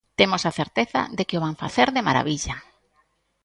Temos a certeza de que o van facer de marabilla.